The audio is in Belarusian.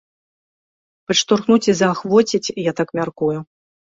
Падштурхнуць і заахвоціць, я так мяркую.